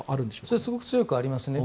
それは強くありますね。